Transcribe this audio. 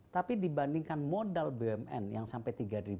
tapi dibandingkan modal bumn yang sampai tiga dua ratus